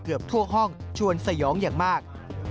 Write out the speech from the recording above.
เกือบทั่วห้องชวนสยองอย่างมาก